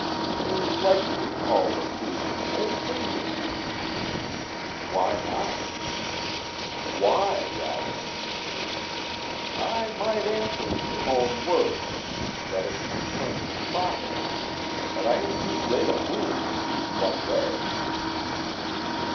"You like to be called a fool. It pleases you." "Why not?" "Why, rather?" "I might answer in your own words, that it can be turned to profit. But I am too great a fool to see in what way."